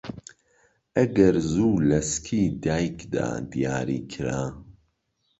ئەگەر زوو لەسکی دایکدا دیاریکرا